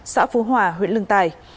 xã phú hòa huyện lương tài